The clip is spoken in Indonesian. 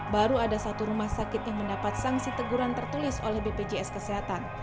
baru ada satu rumah sakit yang mendapat sanksi teguran tertulis oleh bpjs kesehatan